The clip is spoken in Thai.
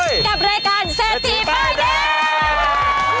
กับรายการเศรษฐีป้ายแดง